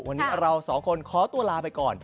วันนี้เราสองคนขอตัวลาไปก่อน